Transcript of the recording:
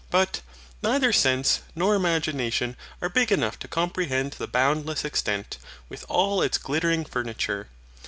But, neither sense nor imagination are big enough to comprehend the boundless extent, with all its glittering furniture.